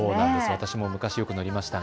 私も昔よく乗りました。